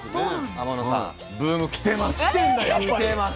天野さんブーム来てます。